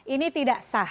ini tidak sah